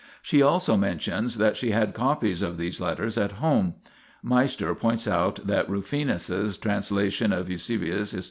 She also mentions that she had copies of these letters at home. Meister points out that Rufinus's translation of Eus. Hist.